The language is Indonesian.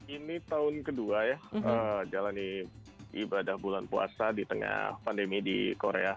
ini tahun kedua ya jalani ibadah bulan puasa di tengah pandemi di korea